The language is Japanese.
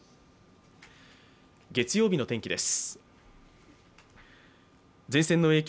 月曜日の天気です。